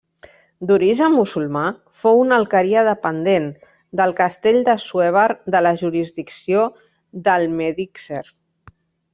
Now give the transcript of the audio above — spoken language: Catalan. D'origen musulmà, fou una alqueria dependent, del castell d'Assuévar de la jurisdicció d'Almedíxer.